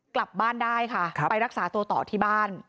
กลับบ้านได้ค่ะไปรักษาตัวต่อที่บ้าน